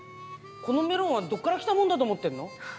このメロンはどこからきたものだと思ってるの？